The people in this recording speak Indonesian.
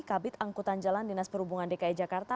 kabit angkutan jalan dinas perhubungan dki jakarta